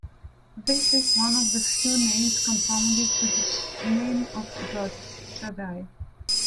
This is one of the few names compounded with the name of God, Shaddai.